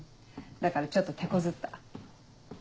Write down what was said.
だからちょっとてこずった。